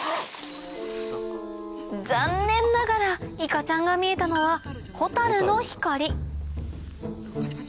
残念ながらいかちゃんが見えたのはホタルの光